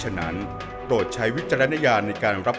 เหมือนเล็บแต่ของห้องเหมือนเล็บตลอดเวลา